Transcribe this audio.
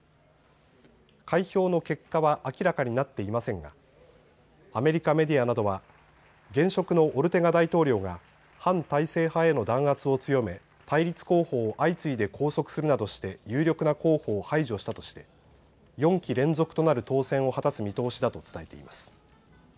開票の結果は明らかになっていませんがアメリカメディアなどは現職のオルテガ大統領が反体制派への弾圧を強め対立候補を相次いで拘束するなどして有力な候補を排除したとして４期連続となる当選を果たす見通しだと伝えています。